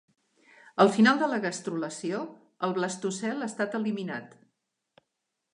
Al final de la gastrulació, el blastocel ha estat eliminat.